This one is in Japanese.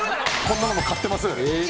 こんなのも買ってます。